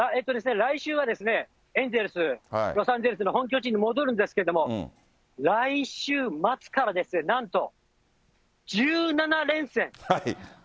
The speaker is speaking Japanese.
来週はエンゼルス、ロサンゼルスの本拠地に戻るんですけれども、来週末からなんと、１７連戦。